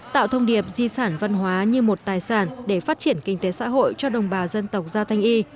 tạo thông điệp di sản văn hóa như một tài sản để phát triển kinh tế xã hội cho đồng bào dân tộc giao thanh y